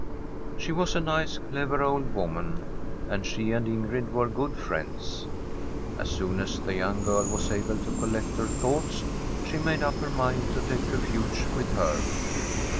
She was a nk^, clevir <dd woman, and she and Ingrid were pxx: friends. As soon as the young girl was able to coiSect her thoughts, she made up her mind to take rrfujTC with her.